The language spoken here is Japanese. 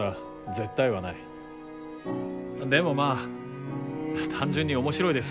でもまあ単純に面白いです